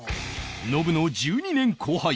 ノブの１２年後輩